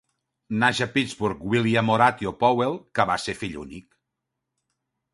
Naix a Pittsburgh William Horatio Powell, que va ser fill únic.